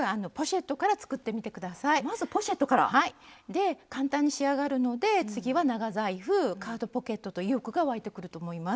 で簡単に仕上がるので次は長財布カードポケットと意欲が湧いてくると思います。